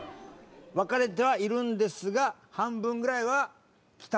分かれてはいるんですが半分ぐらいは帰宅部と。